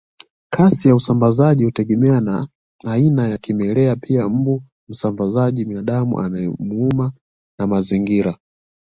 Kasi ya usambazaji hutegemea aina ya kimelea pia mbu msambazaji binadamu anayeumwa na mazingira